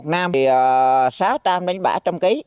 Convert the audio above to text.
một năm thì sáu trăm linh bảy trăm linh kg